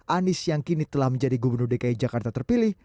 anies yang kini telah menjadi gubernur dki jakarta terpilih